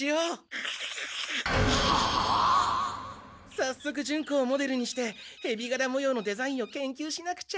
さっそくジュンコをモデルにしてヘビがらもようのデザインを研究しなくちゃ。